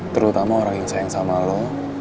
terutama orang yang sayang sama lo